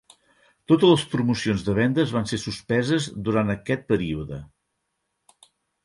Totes les promocions de vendes van ser suspeses durant aquest període.